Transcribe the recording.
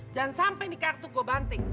jangan sampai nih kartu gue banting